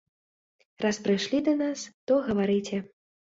Раз прышлі да нас, то гаварыце.